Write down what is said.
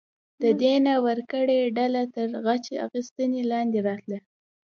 د دیه ورکړې ډله تر غچ اخیستنې لاندې راتله.